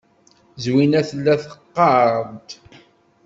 Zwina tella teɣɣar-d.